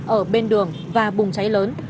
ở bên đường và bùng cháy lớn